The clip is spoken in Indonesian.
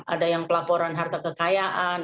ada yang pelaporan harta kekayaan